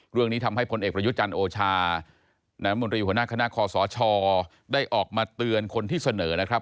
เรื่องนี้ทำให้พลเอกประยุทธ์จันทร์โอชาน้ำมนตรีหัวหน้าคณะคอสชได้ออกมาเตือนคนที่เสนอนะครับ